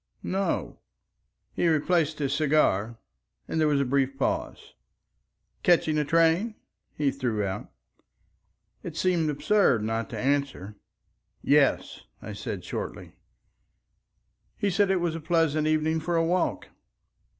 "No." He replaced his cigar, and there was a brief pause. "Catching a train?" he threw out. It seemed absurd not to answer. "Yes," I said shortly. He said it was a pleasant evening for a walk.